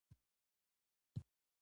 مالیاتي سیستم د دولت عاید جوړوي.